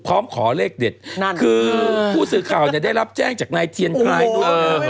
ขอเลขเด็ดนั่นคือผู้สื่อข่าวเนี่ยได้รับแจ้งจากนายเทียนทรายด้วย